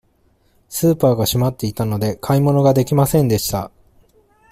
スーパーが閉まっていたので、買い物ができませんでした。